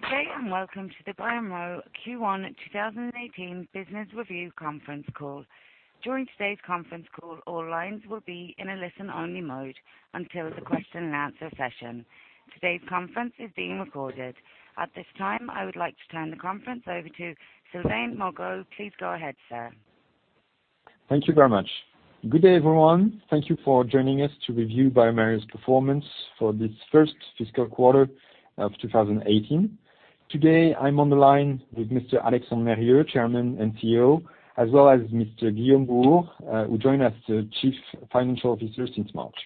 Good day, welcome to the BioFire Q1 2018 business review conference call. During today's conference call, all lines will be in a listen-only mode until the question-and-answer session. Today's conference is being recorded. At this time, I would like to turn the conference over to Sylvain Morgeau. Please go ahead, sir. Thank you very much. Good day, everyone. Thank you for joining us to review BioFire's performance for this first fiscal quarter of 2018. Today, I am on the line with Mr. Alexandre Mérieux, Chairman and Chief Executive Officer, as well as Mr. Guillaume Bouhours, who joined as the Group Chief Financial Officer since March.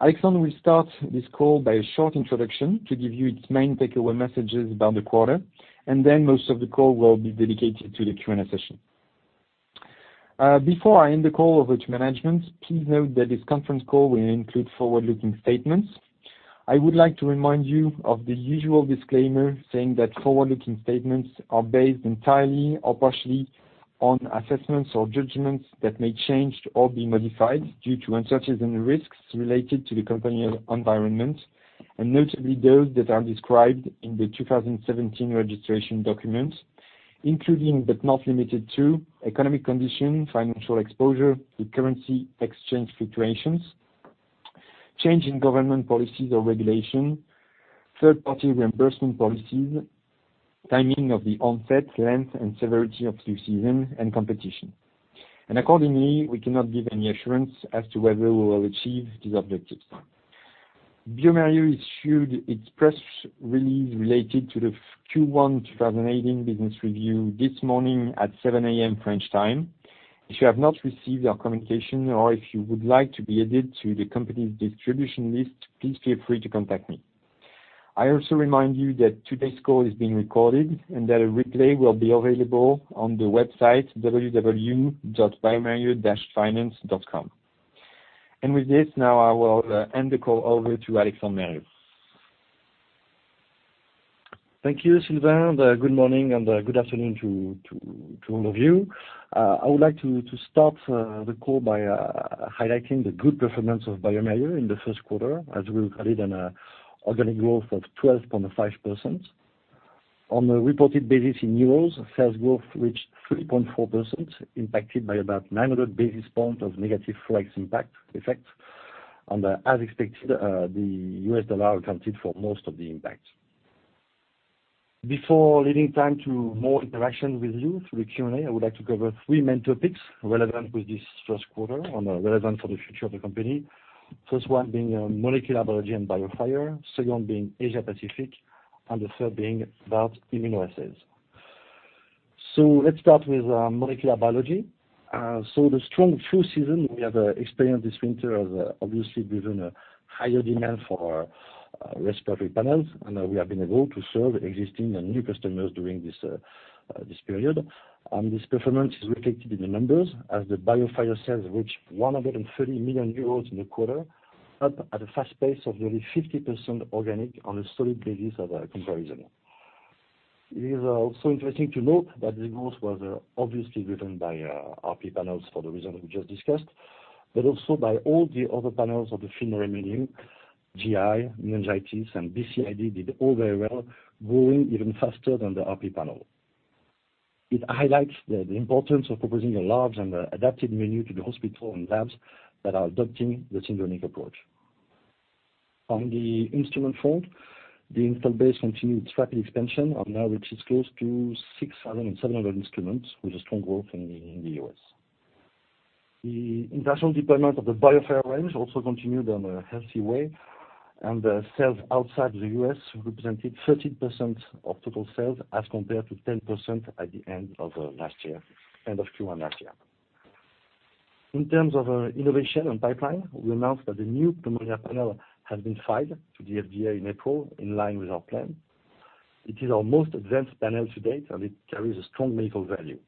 Alexandre will start this call by a short introduction to give you its main takeaway messages about the quarter. Most of the call will be dedicated to the Q&A session. Before I hand the call over to management, please note that this conference call will include forward-looking statements. I would like to remind you of the usual disclaimer saying that forward-looking statements are based entirely or partially on assessments or judgments that may change or be modified due to uncertainties and risks related to the company environment, notably those that are described in the 2017 registration document, including but not limited to economic conditions, financial exposure to currency exchange fluctuations, change in government policies or regulations, third-party reimbursement policies, timing of the onset, length, and severity of flu season and competition. Accordingly, we cannot give any assurance as to whether we will achieve these objectives. BioFire issued its press release related to the Q1 2018 business review this morning at 7:00 A.M. French time. If you have not received our communication or if you would like to be added to the company's distribution list, please feel free to contact me. I also remind you that today's call is being recorded and that a replay will be available on the website biomerieux-finance.com. With this, now I will hand the call over to Alexandre Mérieux. Thank you, Sylvain. Good morning and good afternoon to all of you. I would like to start the call by highlighting the good performance of BioFire in the first quarter, as we recorded an organic growth of 12.5%. On a reported basis in EUR, sales growth reached 3.4%, impacted by about 900 basis points of negative FX impact. As expected, the U.S. dollar accounted for most of the impact. Before leaving time to more interaction with you through the Q&A, I would like to cover three main topics relevant with this first quarter and relevant for the future of the company. First one being molecular biology and BioFire, second being Asia-Pacific, the third being about immunoassays. Let's start with molecular biology. The strong flu season we have experienced this winter has obviously driven a higher demand for Respiratory Panels, we have been able to serve existing and new customers during this period. This performance is reflected in the numbers, as the BioFire sales reached 130 million euros in the quarter, up at a fast pace of nearly 50% organic on a solid basis of comparison. It is also interesting to note that this growth was obviously driven by RP Panels for the reason we just discussed, but also by all the other panels of the FilmArray menu, GI, meningitis, BCID did all very well, growing even faster than the RP Panel. It highlights the importance of proposing a large and adapted menu to the hospital and labs that are adopting the syndromic approach. On the instrument front, the install base continued its rapid expansion and now reaches close to 6,700 instruments with a strong growth in the U.S. The international deployment of the BioFire range also continued in a healthy way, sales outside the U.S. represented 13% of total sales as compared to 10% at the end of last year, end of Q1 last year. In terms of innovation and pipeline, we announced that the new Pneumonia Panel has been filed to the FDA in April, in line with our plan. It is our most advanced panel to date, it carries a strong medical value.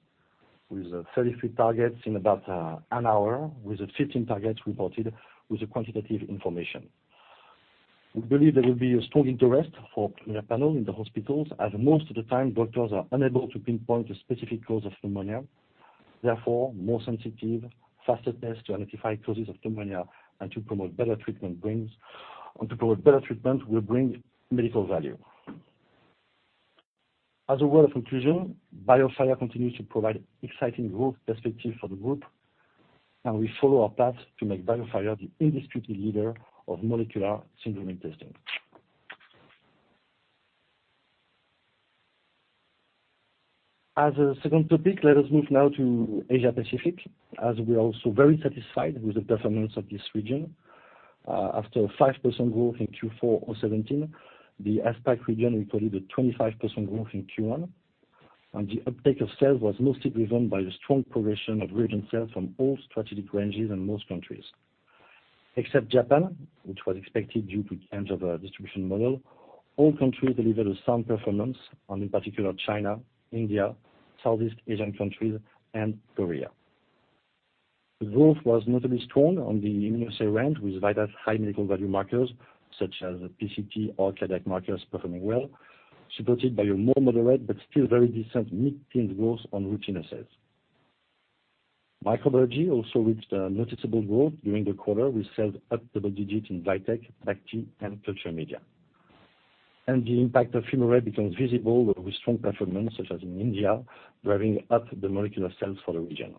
With 33 targets in about an hour, with 15 targets reported with quantitative information. We believe there will be a strong interest for Pneumonia Panel in the hospitals, as most of the time, doctors are unable to pinpoint the specific cause of pneumonia. Therefore, more sensitive, faster tests to identify causes of pneumonia and to promote better treatment will bring medical value. As a word of conclusion, BioFire continues to provide exciting growth perspective for the group, we follow our path to make BioFire the undisputed leader of molecular syndrome testing. As a second topic, let us move now to Asia-Pacific, as we are also very satisfied with the performance of this region. After a 5% growth in Q4 of 2017, the APAC region recorded a 25% growth in Q1, the uptake of sales was mostly driven by the strong progression of regional sales from all strategic ranges in most countries. Except Japan, which was expected due to change of our distribution model, all countries delivered a sound performance, in particular China, India, Southeast Asian countries, Korea. The growth was notably strong on the immunoassay range, with VIDAS® high medical value markers such as PCT or cardiac markers performing well, supported by a more moderate but still very decent mid-teens growth on routine assays. Microbiology also reached a noticeable growth during the quarter. We sell up double digits in VITEK, BACT/ALERT and culture media. The impact of FilmArray becomes visible with strong performance, such as in India, driving up the molecular sales for the region.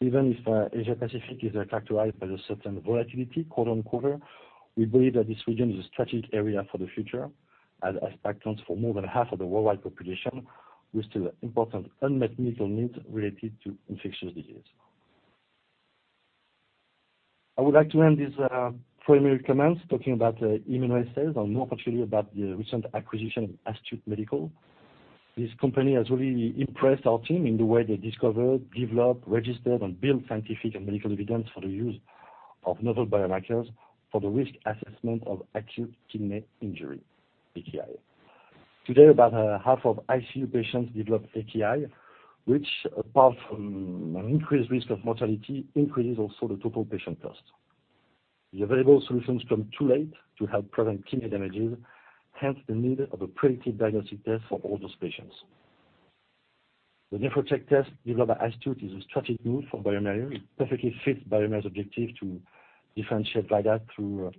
Even if Asia Pacific is characterized by the certain volatility quarter on quarter, we believe that this region is a strategic area for the future, as it accounts for more than half of the worldwide population with still important unmet medical needs related to infectious disease. I would like to end these preliminary comments talking about the immunoassays and more particularly about the recent acquisition of Astute Medical. This company has really impressed our team in the way they discover, develop, register, and build scientific and medical evidence for the use of novel biomarkers for the risk assessment of acute kidney injury, AKI. Today, about half of ICU patients develop AKI, which, apart from an increased risk of mortality, increases also the total patient cost. The available solutions come too late to help prevent kidney damages, hence the need of a predictive diagnostic test for all those patients. The NephroCheck test developed by Astute is a strategic move for BioFire. It perfectly fits BioFire objective to differentiate by that through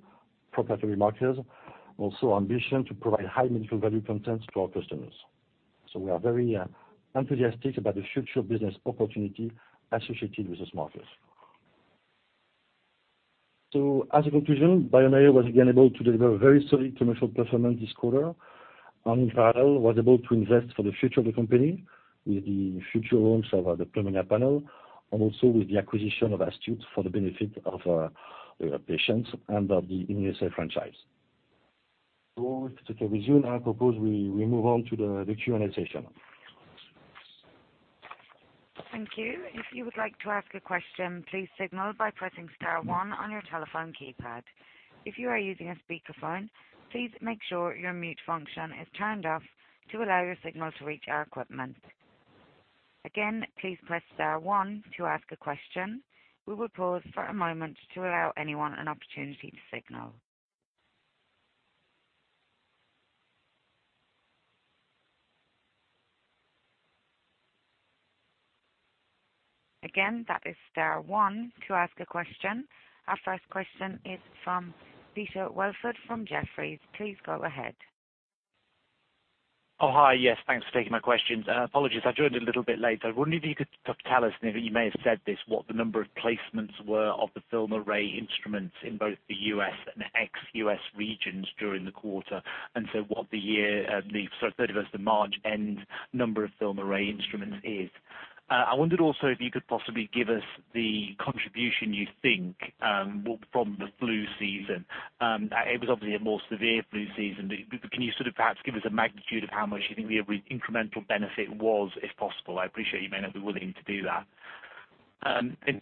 proprietary markers. Also ambition to provide high medical value contents to our customers. We are very enthusiastic about the future business opportunity associated with these markers. As a conclusion, BioFire was again able to deliver very solid commercial performance this quarter. In parallel, was able to invest for the future of the company with the future launch of the Pneumonia Panel and also with the acquisition of Astute for the benefit of patients and of the immunoassay franchise. If we can resume, I propose we move on to the Q&A session. Thank you. If you would like to ask a question, please signal by pressing star one on your telephone keypad. If you are using a speakerphone, please make sure your mute function is turned off to allow your signal to reach our equipment. Again, please press star one to ask a question. We will pause for a moment to allow anyone an opportunity to signal. Again, that is star one to ask a question. Our first question is from Peter Welford from Jefferies. Please go ahead. Hi. Yes, thanks for taking my questions. Apologies, I joined a little bit late there. I wonder if you could tell us, and if you may have said this, what the number of placements were of the FilmArray instruments in both the U.S. and ex-U.S. regions during the quarter, what the March end number of FilmArray instruments is. I wondered also if you could possibly give us the contribution you think from the flu season. It was obviously a more severe flu season, but can you sort of perhaps give us a magnitude of how much you think the incremental benefit was, if possible? I appreciate you may not be willing to do that.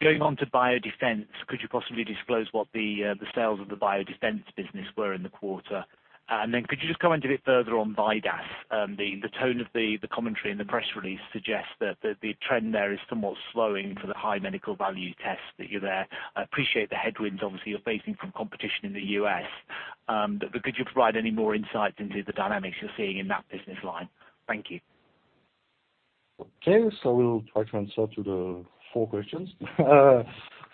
Going on to BioFire Defense, could you possibly disclose what the sales of the BioFire Defense business were in the quarter? Could you just comment a bit further on VIDAS? The tone of the commentary in the press release suggests that the trend there is somewhat slowing for the high medical value tests that you have. I appreciate the headwinds obviously you're facing from competition in the U.S. Could you provide any more insight into the dynamics you're seeing in that business line? Thank you. We will try to answer to the 4 questions.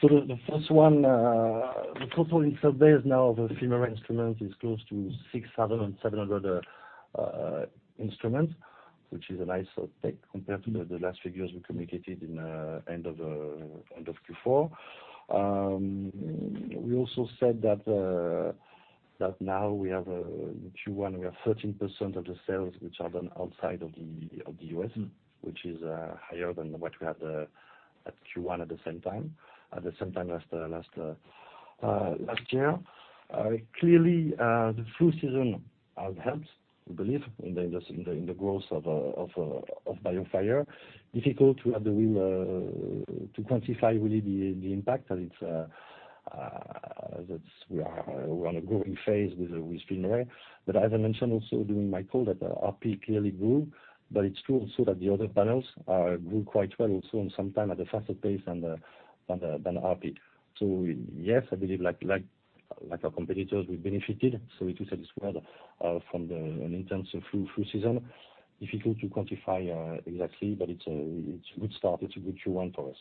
The first one, the total installed base now of the FilmArray instrument is close to 6,700 instruments, which is a nice uptake compared to the last figures we communicated in end of Q4. We also said that now we have in Q1, we have 13% of the sales which are done outside of the U.S., which is higher than what we had at Q1 at the same time last year. Clearly, the flu season has helped, we believe, in the growth of BioFire. Difficult to quantify really the impact, as We are on a growing phase with FilmArray. As I mentioned also during my call that RP clearly grew, but it's true also that the other panels grew quite well also, and sometime at a faster pace than RP. Yes, I believe like our competitors, we benefited. If you said it's grown from the intense flu season, difficult to quantify exactly, but it's a good start. It's a good Q1 for us.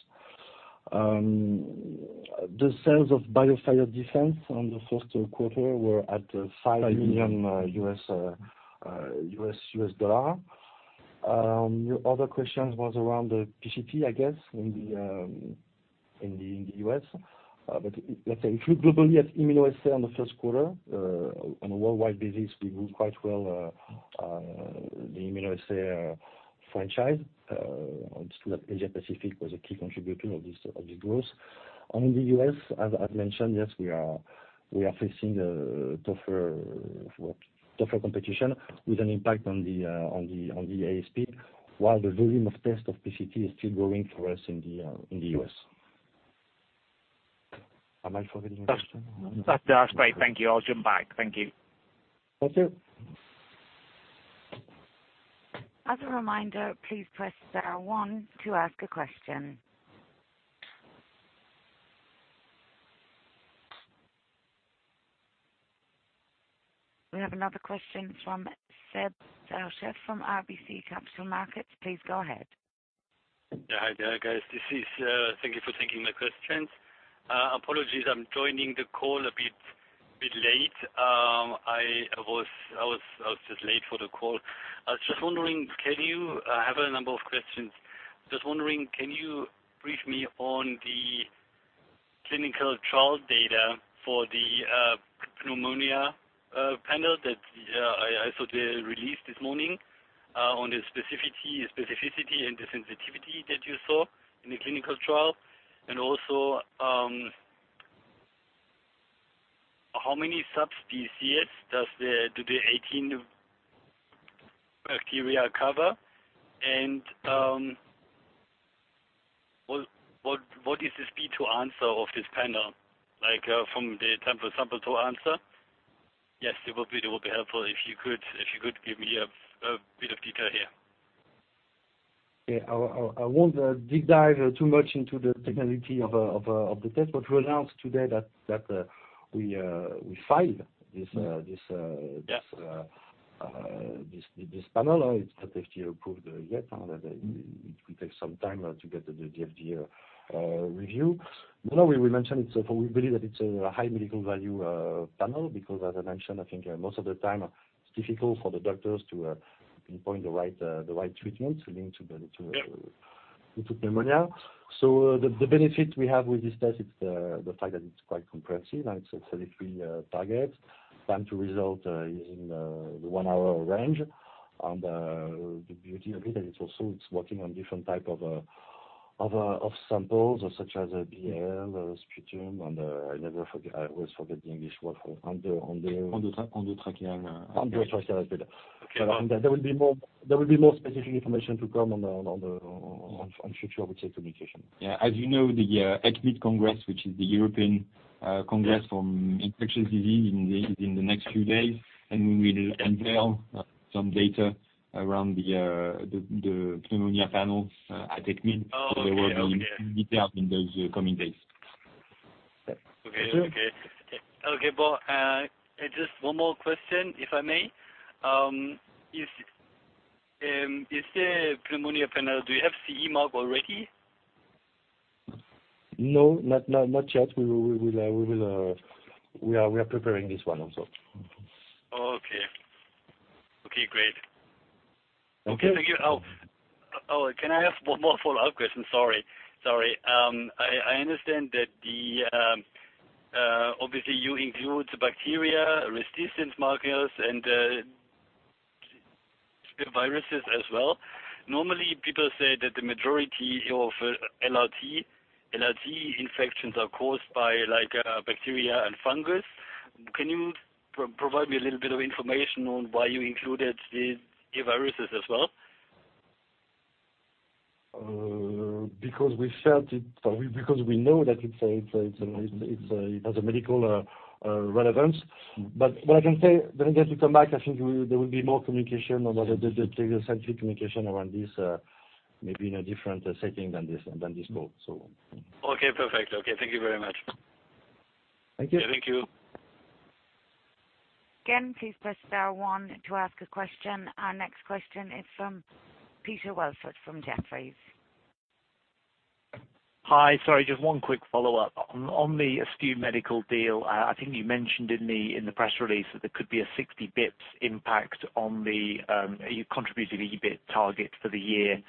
The sales of BioFire Defense on the first quarter were at $5 million. Your other questions was around the PCT, I guess, in the U.S. Let's say if you globally at immunoassay on the first quarter, on a worldwide basis, we grew quite well the immunoassay franchise. Asia Pacific was a key contributor of this growth. In the U.S., as I've mentioned, yes, we are facing a tougher competition with an impact on the ASP, while the volume of test of PCT is still growing for us in the U.S. Am I forgetting a question? That's great. Thank you. I'll jump back. Thank you. That's it. As a reminder, please press star one to ask a question. We have another question from Seb Sarchet from RBC Capital Markets. Please go ahead. Yeah. Hi there, guys. Thank you for taking my questions. Apologies, I'm joining the call a bit late. I was just late for the call. I have a number of questions. Just wondering, can you brief me on the clinical trial data for the Pneumonia Panel that I saw the release this morning on the specificity and the sensitivity that you saw in the clinical trial? Also, how many subspecies do the 18 bacteria cover? What is the speed to answer of this panel from the time for sample to answer? Yes, it will be helpful if you could give me a bit of detail here. Yeah. I won't deep dive too much into the technology of the test. We announced today that we filed this- Yes this panel. It's not FDA approved yet. It will take some time to get the FDA review. We will mention it. We believe that it's a high medical value panel because as I mentioned, I think most of the time it's difficult for the doctors to pinpoint the right treatment relating to- Yep pneumonia. The benefit we have with this test is the fact that it's quite comprehensive, and it's 33 targets. Time to result is in the one-hour range. The beauty of it is also it's working on different type of samples such as BAL, sputum, and I always forget the English word for endotracheal. Endotracheal. Endotracheal aspirate. Okay. There will be more specific information to come on future communication. Yeah. As you know, the ECCMID Congress, which is the European Congress from infectious disease, is in the next few days, we will unveil some data around the Pneumonia Panel at ECCMID. Oh, okay. There will be detail in those coming days. Okay. Thank you. Okay, but, just one more question, if I may. Is the Pneumonia Panel, do you have CE mark already? No, not yet. We are preparing this one also. Okay. Great. Okay. Okay, thank you. Oh, can I ask one more follow-up question? Sorry. I understand that obviously you include the bacteria resistance markers and the viruses as well. Normally, people say that the majority of LRT infections are caused by bacteria and fungus. Can you provide me a little bit of information on why you included the viruses as well? We know that it has a medical relevance. What I can say, when I get to come back, I think there will be more communication on the scientific communication around this, maybe in a different setting than this call. Okay, perfect. Okay, thank you very much. Thank you. Yeah, thank you. Please press star one to ask a question. Our next question is from Peter Welford from Jefferies. Hi. Sorry, just one quick follow-up. On the Astute Medical deal, I think you mentioned in the press release that there could be a 60 basis points impact on the contributed EBIT targets for the year.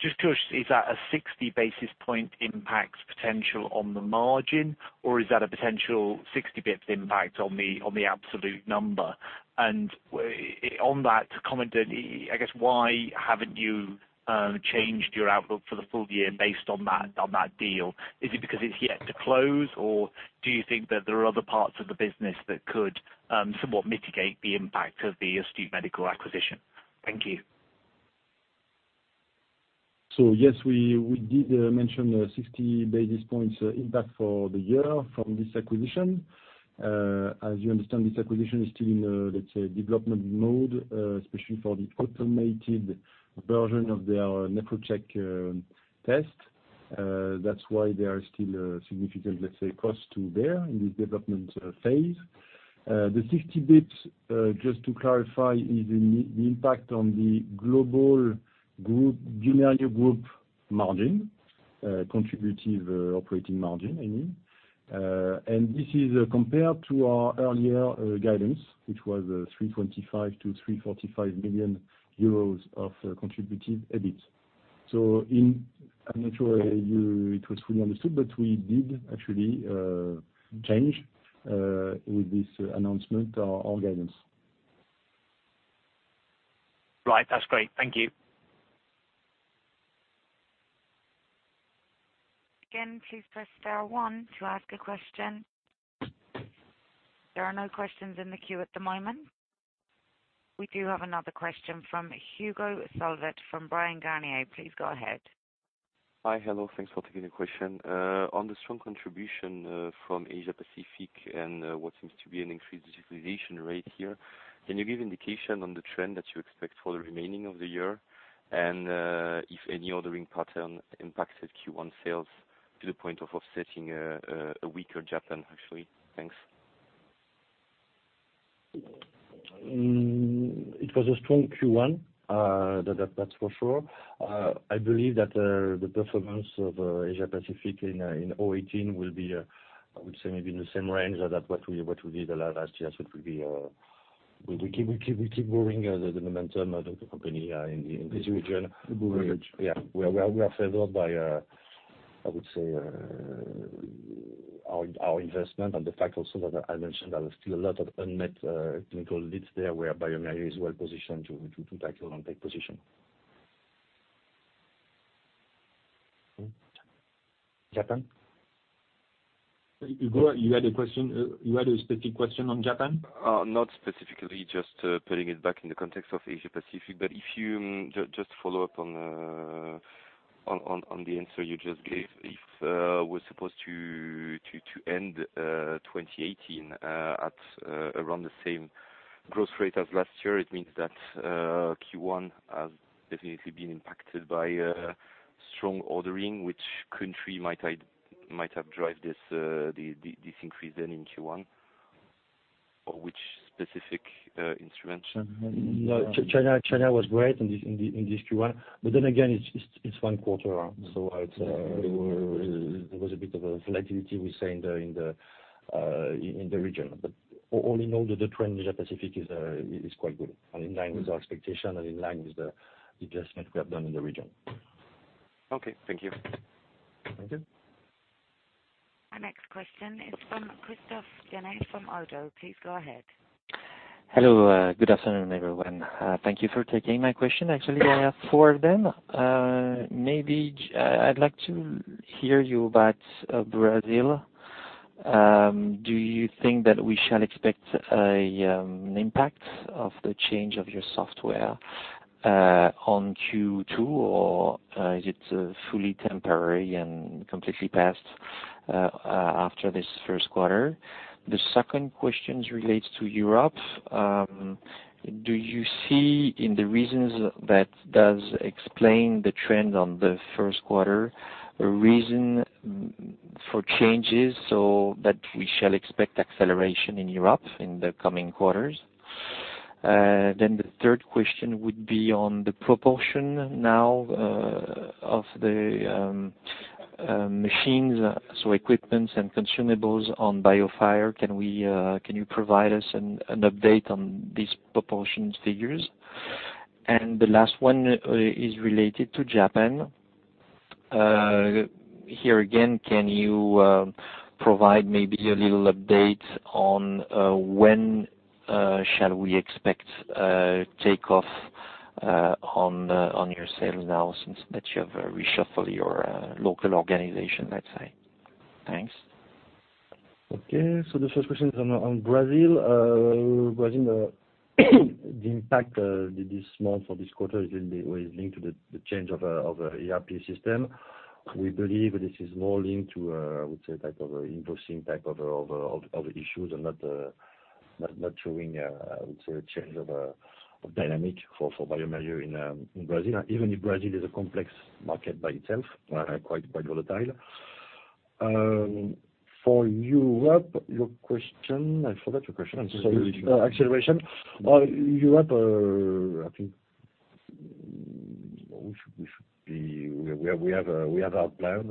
Just curious, is that a 60 basis point impact potential on the margin, or is that a potential 60 basis points impact on the absolute number? On that, to comment on, I guess, why haven't you changed your outlook for the full year based on that deal? Is it because it's yet to close, or do you think that there are other parts of the business that could somewhat mitigate the impact of the Astute Medical acquisition? Thank you. Yes, we did mention a 60 basis points impact for the year from this acquisition. As you understand, this acquisition is still in, let's say, development mode, especially for the automated version of their NephroCheck test. That's why there are still significant, let's say, costs there in the development phase. The 60 basis points, just to clarify, is the impact on the global group margin, contributive operating margin, I mean. This is compared to our earlier guidance, which was a 325 million-345 million euros of contributed EBIT. I'm not sure it was fully understood, but we did actually change, with this announcement, our guidance. Right. That's great. Thank you. Again, please press star one to ask a question. There are no questions in the queue at the moment. We do have another question from Hugo Solvet from Bryan, Garnier & Co. Please go ahead. Hi. Hello. Thanks for taking the question. On the strong contribution from Asia Pacific and what seems to be an increased digitization rate here. Can you give indication on the trend that you expect for the remaining of the year and if any ordering pattern impacted Q1 sales to the point of offsetting a weaker Japan, actually? Thanks. It was a strong Q1, that's for sure. I believe that the performance of Asia Pacific in 2018 will be, I would say maybe in the same range as what we did the last years, we keep moving the momentum of the company in this region. The growth. Yeah. We are favored by, I would say our investment and the fact also that I mentioned that there are still a lot of unmet clinical needs there, where BioFire is well positioned to take position. Japan? You had a specific question on Japan? Not specifically, just putting it back in the context of Asia Pacific, but if you just follow up on the answer you just gave. If we're supposed to end 2018 at around the same growth rate as last year, it means that Q1 has definitely been impacted by strong ordering. Which country might have drive this increase then in Q1? Which specific instruments? No, China was great in this Q1. It's one quarter. There was a bit of a volatility we see in the region. All in all, the trend in Asia Pacific is quite good and in line with our expectation and in line with the investment we have done in the region. Okay. Thank you. Thank you. Our next question is from Christophe Jeannerat from Oddo. Please go ahead. Hello. Good afternoon, everyone. Thank you for taking my question. Actually, I have four then. Maybe I'd like to hear you about Brazil. Do you think that we shall expect an impact of the change of your software on Q2, or is it fully temporary and completely passed after this first quarter? The second question relates to Europe. Do you see in the reasons that does explain the trend on the first quarter, a reason for changes so that we shall expect acceleration in Europe in the coming quarters? The third question would be on the proportion now of the machines, so equipments and consumables on BioFire. Can you provide us an update on these proportion figures? The last one is related to Japan. Here again, can you provide maybe a little update on when shall we expect take-off on your sales now since that you have reshuffled your local organization, let's say. Thanks. Okay. The first question is on Brazil. Brazil, the impact this month or this quarter is linked to the change of our ERP system. We believe this is more linked to, I would say, type of invoicing type of issues and not showing, I would say, a change of dynamic for BioFire in Brazil. Even if Brazil is a complex market by itself, quite volatile. For Europe, your question, I forgot your question. I'm sorry. Acceleration. Acceleration. Europe, I think, we have our plan.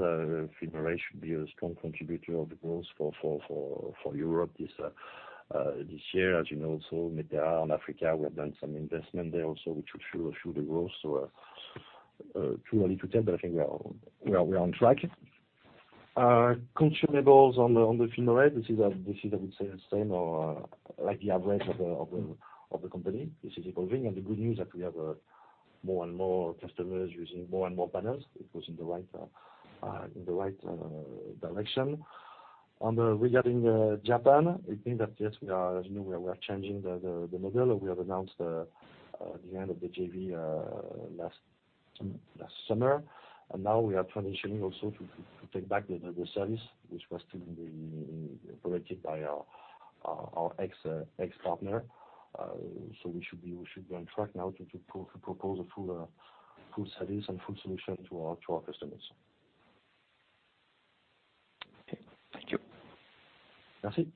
Okay.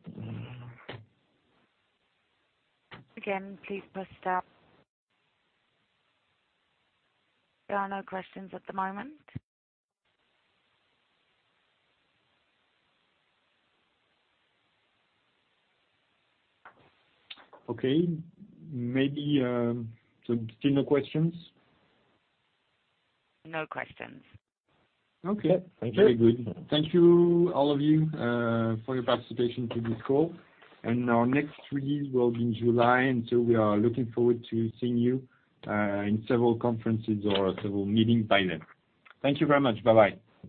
Maybe. Still no questions? No questions. Okay. Very good. Thank you, all of you, for your participation to this call. Our next release will be in July, and so we are looking forward to seeing you in several conferences or several meetings by then. Thank you very much. Bye-bye.